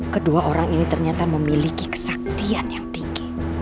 kedua orang ini ternyata memiliki kesaktian yang tinggi